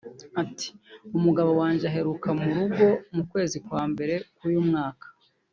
Ati "Umugabo wanjye aheruka mu rugo mu kwezi kwa mbere k’uyu mwaka